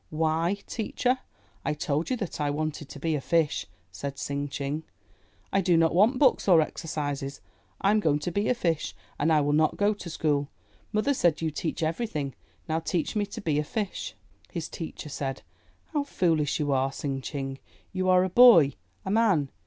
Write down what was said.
'Why, teacher, I told you that I wanted to be a fish," said Tsing Ching. "I do not want books or exercises. I am going to be a fish and I will not go to school. Mother said you teach everything; now teach me to be a fish." His teacher said, How foolish you are, Tsing Ching; you are a boy, a man.